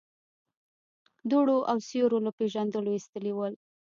دوړو او سيورو له پېژندلو ايستلي ول.